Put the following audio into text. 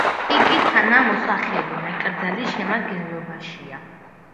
იგი თანამოსახელე ნაკრძალის შემადგენლობაშია.